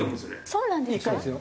そうなんですか？